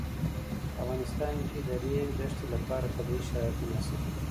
په افغانستان کې د د ریګ دښتې لپاره طبیعي شرایط مناسب دي.